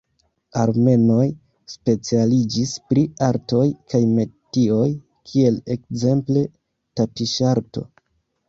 Armenoj specialiĝis pri artoj kaj metioj kiel ekzemple tapiŝarto.